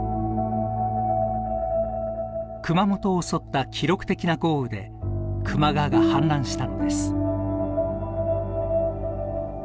熊本を襲った記録的な豪雨で球磨川が氾濫したのです。